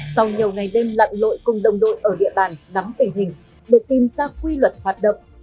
sau nhiều ngày đêm lặn lội cùng đồng đội ở địa bàn nắm tình hình để tìm ra quy luật hoạt động